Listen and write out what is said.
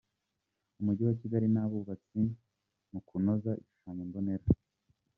Umujyi wa Kigali n’abubatsi mu kunoza igishushanyombonera